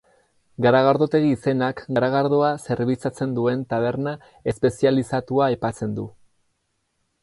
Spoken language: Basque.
Garagardotegi izenak garagardoa zerbitzatzen duen taberna espezializatua aipatzen du.